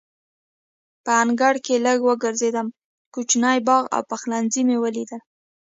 په انګړ کې لږ وګرځېدم، کوچنی باغ او پخلنځی مې ولیدل.